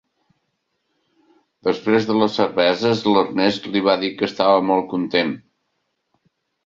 Després de les cerveses l'Ernest li va dir que estava molt content.